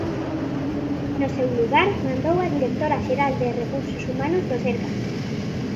No seu lugar, mandou á directora xeral de Recursos Humanos do Sergas.